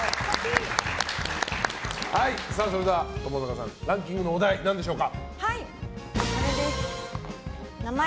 それでは、ともさかさんランキングのお題、何でしょうか。